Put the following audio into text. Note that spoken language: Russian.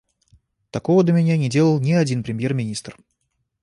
Такого до меня не делал ни один премьер-министр.